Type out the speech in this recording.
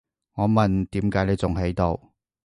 我問，點解你仲喺度？